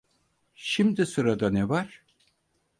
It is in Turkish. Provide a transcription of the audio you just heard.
Şimdi sırada ne var?